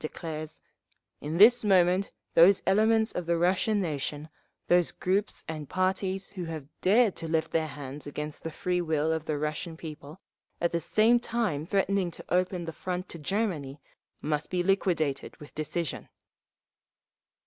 declares: in this moment those elements of the Russian nation, those groups and parties who have dared to lift their hands against the free will of the Russian people, at the same time threatening to open the front to Germany, must be liquidated with decision!